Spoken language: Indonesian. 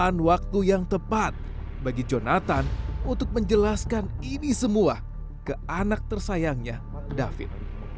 dan kapan waktu yang tepat bagi jonathan untuk menjelaskan ini semua ke anak tersayangnya david